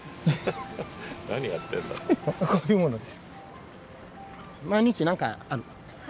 こういうものです。